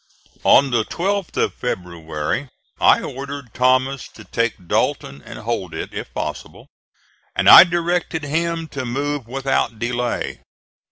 On the 12th of February I ordered Thomas to take Dalton and hold it, if possible; and I directed him to move without delay.